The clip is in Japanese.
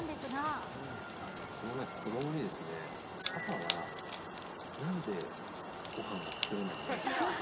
この前、子どもにですね、パパはなんでごはんがつくれないの？って。